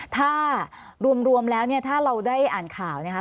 ถ้ารวมแล้วเนี่ยถ้าเราได้อ่านข่าวนะคะ